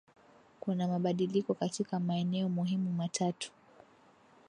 Kuna mabadiliko katika maeneo muhimu matatu